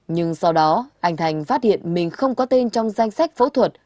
nhưng sau đó anh thành phát hiện mình không có tên trong danh sách phẫu thuật